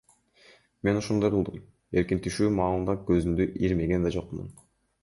Мен ошондой кылдым, эркин түшүү маалында көзүмдү ирмеген да жокмун.